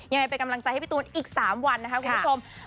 ยังไงเป็นกำลังใจให้พี่ตูนอีก๓วันนะคะคุณผู้ชม